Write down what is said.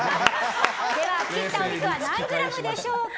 切ったお肉は何グラムでしょうか。